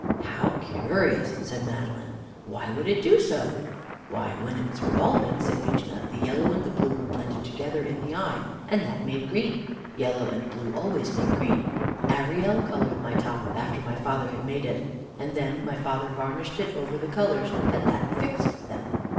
"How curious!" said Madeline. "Why would it do so?" "Why, when it was revolving," said Beechnut, "the yellow and the blue were blended together in the eye, and that made green. Yellow and blue always make green. Arielle colored my top, after my father had made it, and then my father varnished it over the colors, and that fixed them.